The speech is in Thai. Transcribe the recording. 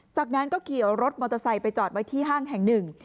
จากนั้นก็ขี่รถมอเตอร์ไซค์ไปจอดไว้ที่ห้างแห่งหนึ่ง